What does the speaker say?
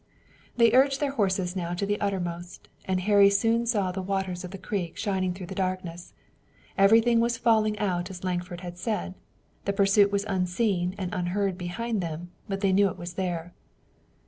They urged their horses now to the uttermost, and Harry soon saw the waters of the creek shining through the darkness. Everything was falling out as Lankford had said. The pursuit was unseen and unheard behind them, but they knew it was there.